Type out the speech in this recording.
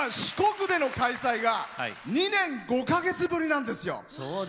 四国での開催が２年５か月ぶりなんですよ。